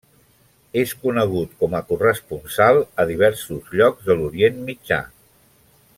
És conegut com a corresponsal a diversos llocs de l'Orient Mitjà.